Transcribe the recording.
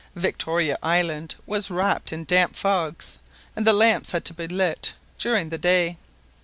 Victoria Island was wrapped in damp fogs, and the lamps had to be lit during the day.